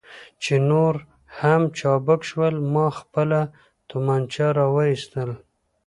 چې نور هم چابک شول، ما خپله تومانچه را وایستل.